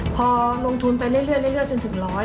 พอลงทุนไปเรื่อยจนถึง๑๐๐